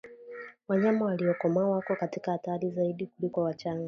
Wanyama waliokomaa wako katika hatari zaidi kuliko wachanga